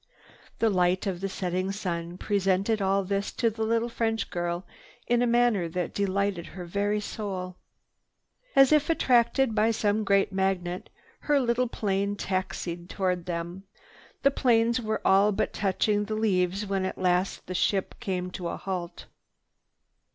The light of the setting sun presented all this to the little French girl in a manner that delighted her very soul. As if attracted by some great magnet, her little plane taxied toward them. The planes were all but touching the leaves when at last the ship came to a halt.